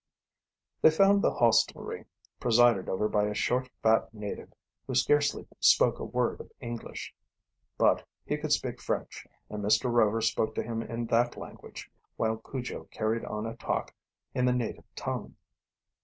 They found the hostelry presided over by a short, fat native who scarcely spoke a word of English. But he could speak French, and Mr. Rover spoke to him in that language, while Cujo carried on a talk in the native tongue.